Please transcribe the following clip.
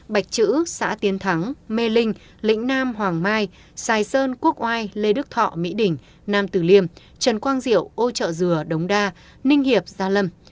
bạch chữ xã tiến thắng mê linh lĩnh nam hoàng mai sài sơn quốc oai lê đức thọ mỹ đỉnh nam tử liêm trần quang diệu ô trợ dừa đống đa ninh hiệp gia lâm